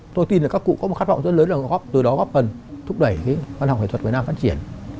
tôi tin là các cụ có một khát vọng rất lớn là từ đó góp phần thúc đẩy cái văn học nghệ thuật việt nam phát triển